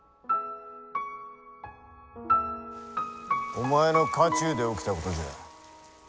お前の家中で起きたことじゃ。